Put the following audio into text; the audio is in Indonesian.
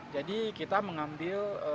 jadi kita mengambil